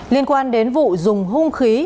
liên quan đến vụ dùng hung khí